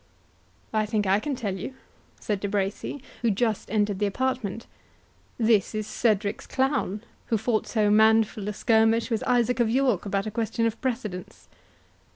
"I think I can tell you," said De Bracy, who just entered the apartment. "This is Cedric's clown, who fought so manful a skirmish with Isaac of York about a question of precedence."